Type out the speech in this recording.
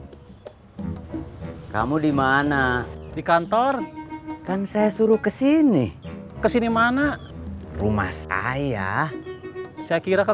hai kamu dimana di kantor kan saya suruh kesini kesini mana rumah saya saya kira ke